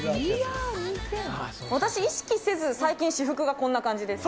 私、意識せず、最近、私服がこんな感じです。